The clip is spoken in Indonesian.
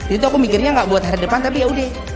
itu aku mikirnya gak buat hari depan tapi yaudah